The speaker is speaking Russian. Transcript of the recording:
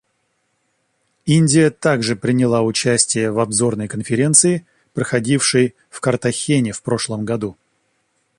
Индия также приняла участие в обзорной Конференции, проходившей в Картахене в прошлом году.